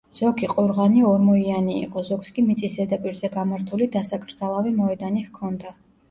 ზოგი ყორღანი ორმოიანი იყო, ზოგს კი მიწის ზედაპირზე გამართული დასაკრძალავი მოედანი ჰქონდა.